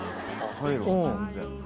入るわ全然。